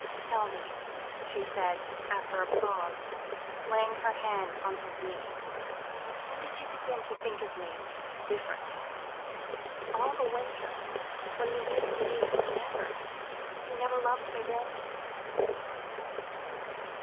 "Tell me," she said, after a pause, laying her hand on his knee, "when did you begin to think of me differently? All the winter, when we used to meet, you never you never loved me then?"